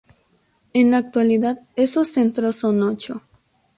En la actualidad estos centros son ocho.